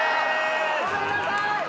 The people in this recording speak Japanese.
ごめんなさい！